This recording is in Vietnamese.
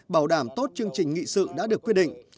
bảo đảm tốt chương trình nghị sự đã được quy định